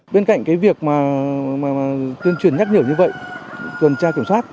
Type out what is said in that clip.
bên cạnh việc tuyển truyền nhắc nhở như vậy tuần tra kiểm soát